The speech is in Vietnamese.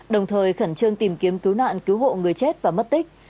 đồng thời khẩn trương tìm kiếm cứu nạn cứu hộ người chết và mất tích